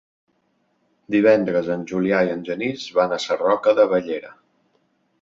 Divendres en Julià i en Genís van a Sarroca de Bellera.